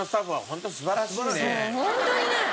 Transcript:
そうホントにね。